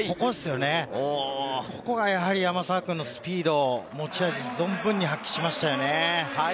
ここがやはり山沢君のスピード、持ち味を存分に発揮しましたよね。